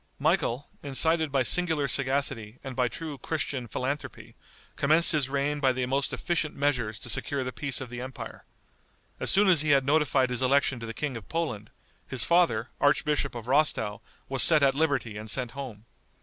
Michael, incited by singular sagacity and by true Christian philanthropy, commenced his reign by the most efficient measures to secure the peace of the empire. As soon as he had notified his election to the King of Poland, his father, archbishop of Rostow, was set at liberty and sent home.